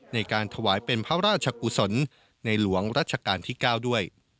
ในการถวายเป็นพระราชกุศลในหลวงรัชกาลที่๙ด้วย